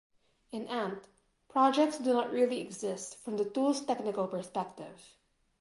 In Ant, projects do not really exist from the tool's technical perspective.